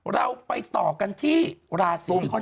เราไปต่อกันที่ราศิกุม